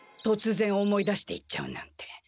とつぜん思い出して行っちゃうなんて。